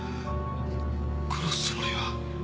殺すつもりは。